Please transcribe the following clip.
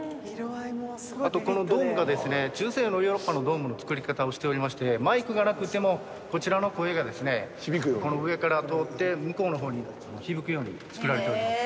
あとこのドームが中世のヨーロッパのドームの造り方をしておりましてマイクがなくてもこちらの声が上から通って向こうの方に響くように造られております。